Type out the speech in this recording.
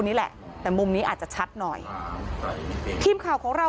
นี่แหละแต่มุมนี้อาจจะชัดหน่อยทีมข่าวของเรา